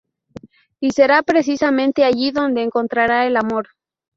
Y será precisamente allí donde encontrará el amor.